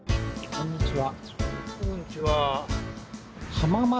こんにちは。